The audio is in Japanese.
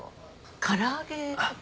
唐揚げとか？